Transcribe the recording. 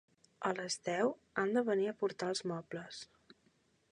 A les deu, han de venir a portar els mobles.